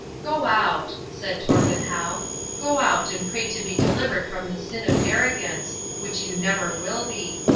"Go out," said Torpenhow,—"go out and pray to be delivered from the sin of arrogance, which you never will be.